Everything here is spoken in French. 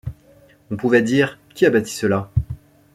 On pouvait dire: qui a bâti cela?